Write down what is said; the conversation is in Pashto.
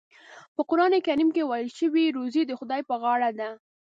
په قرآن کریم کې ویل شوي روزي د خدای په غاړه ده.